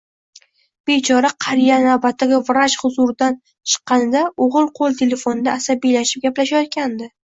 Bechora qariya navbatdagi vrach huzuridan chiqqanida o`g`il qo`l telefonida asabiylashib gaplashayotgandi